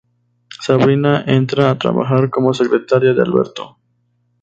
Sabrina entra a trabajar como secretaria de Alberto.